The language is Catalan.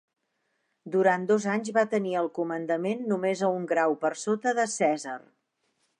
Durant dos anys va tenir el comandament només a un grau per sota de Cèsar.